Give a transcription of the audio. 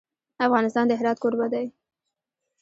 افغانستان د هرات کوربه دی.